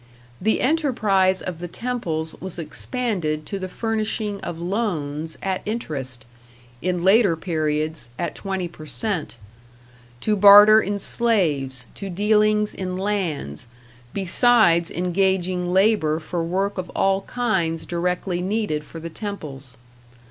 The enterprise of the temples was expanded to the furnishing of loans at interest in later periods, at 20% to barter in slaves, to dealings in lands, besides engaging labor for work of all kinds directly needed for the temples.